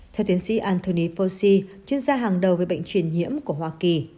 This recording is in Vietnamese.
theo tiến sĩ anthony poshi chuyên gia hàng đầu về bệnh truyền nhiễm của hoa kỳ